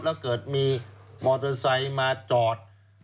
แล้วเกิดมีมอเตอร์ไซค์มาจอด